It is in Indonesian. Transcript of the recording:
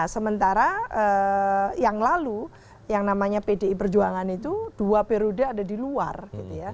sementara yang lalu yang namanya pdi perjuangan itu dua periode ada di luar gitu ya